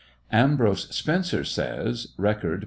Ambrose Spencer says, (Record, p.